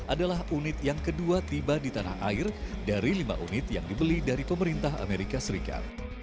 adalah unit yang kedua tiba di tanah air dari lima unit yang dibeli dari pemerintah amerika serikat